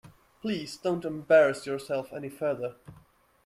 Please don't embarrass yourself any further.